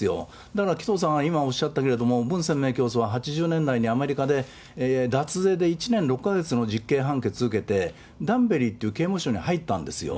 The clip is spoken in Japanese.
だから紀藤さんが今、おっしゃったけれども、文鮮明教祖は、８０年代にアメリカで脱税で１年６か月の実刑判決受けて、ダンベリという刑務所に入ったんですよ。